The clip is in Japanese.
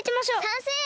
さんせい！